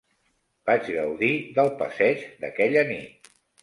Vaig gaudir del passeig d'aquella nit.